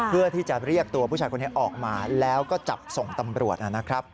เพื่อที่จะเรียกตัวผู้ชายคนนี้ออกมาแล้วก็จับส่งตำรวจนะครับ